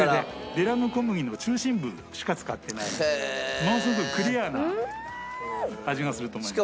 デュラム小麦の中心部しか使ってないものすごくクリアな味がすると思います。